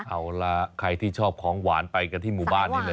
เอาล่ะใครที่ชอบของหวานไปกันที่หมู่บ้านนี้เลย